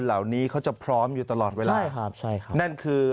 เหล่านี้เขาจะพร้อมอยู่ตลอดเวลาใช่ครับใช่ครับนั่นคือ